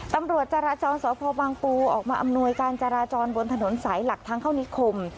ตำรวจจราจรสพบังปูออกมาอำนวยการจราจรบนถนนสายหลักทางเข้านิคม